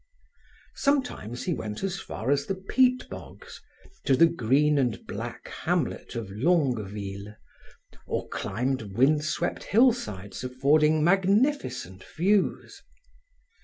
Sometimes he went as far as the peat bogs, to the green and black hamlet of Longueville, or climbed wind swept hillsides affording magnificent views.